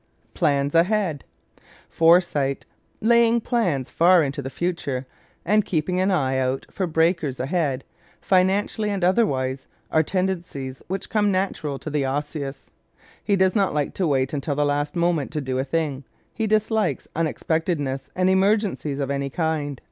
Plans Ahead Foresight, laying plans far into the future, and keeping an eye out for breakers ahead, financially and otherwise, are tendencies which come natural to the Osseous. He does not like to wait until the last moment to do a thing. He dislikes unexpectedness and emergencies of any kind.